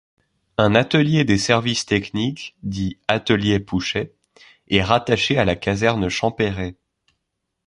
Un atelier des services techniques, dit Atelier Pouchet, est rattaché à la Caserne Champerret.